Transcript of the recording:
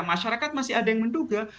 masyarakat masih ada yang menduga